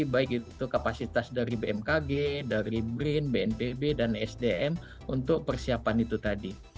baik itu kapasitas dari bmkg dari brin bnpb dan sdm untuk persiapan itu tadi